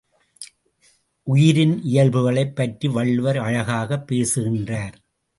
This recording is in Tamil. உயிரின் இயல்புகளைப் பற்றி வள்ளுவர் அழகாகப் பேசுகின்றார்.